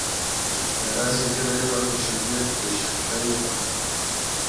Дара зегьы реилаҳәашьагьы џьашьатәшәа иҟан.